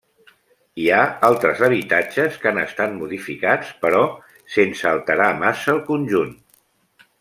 Hi ha altres habitatges que han estat modificats, però sense alterar massa el conjunt.